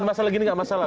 masalah gini gak masalah